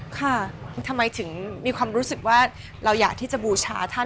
ค่ะทำไมถึงมีความรู้สึกว่าเราอยากที่จะบูชาท่าน